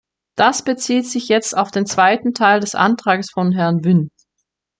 Das bezieht sich jetzt auf den zweiten Teil des Antrages von Herrn Wynn.